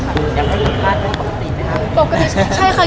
อาจจะเราปกติ